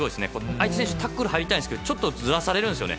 相手選手はタックルに入りたいんですがちょっとずらされるんですよね。